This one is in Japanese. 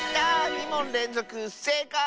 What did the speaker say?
２もんれんぞくせいかい！